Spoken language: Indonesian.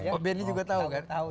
pak benny juga tahu kan